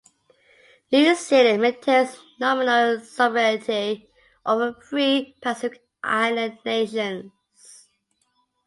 New Zealand maintains nominal sovereignty over three Pacific Island nations.